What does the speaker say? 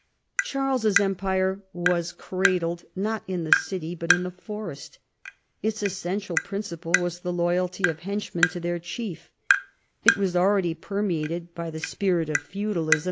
Charles's empire was cradled, not in the city but in tlie forest ; its essential prin ciple was the loyalty of henchmen to their chief ; it was already permeated by the spirit of feudalism.